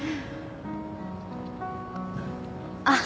あっ。